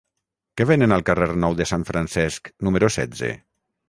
Què venen al carrer Nou de Sant Francesc número setze?